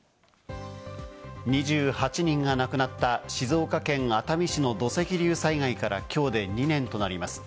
２８人が亡くなった静岡県熱海市の土石流災害からきょうで２年となります。